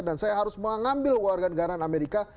dan saya harus mengambil ke warga negara amerika